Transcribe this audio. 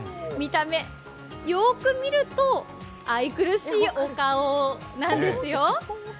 見た目、よく見ると、愛くるしいお顔なんですよ。